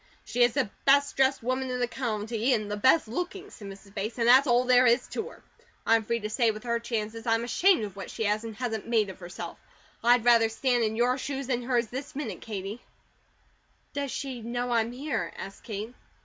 "She is the best dressed woman in the county, and the best looking," said Mrs. Bates, "and that's all there is to her. I'm free to say with her chances, I'm ashamed of what she has, and hasn't made of herself. I'd rather stand in your shoes, than hers, this minute, Katie." "Does she know I'm here?" asked Kate.